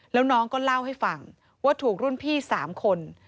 แล้วน้องก็เล่าให้ฟังว่าถูกรุ่นพี่๓คน